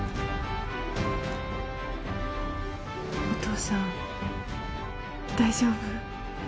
お父さん大丈夫？